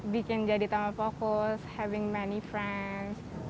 bikin jadi tambah fokus having many friends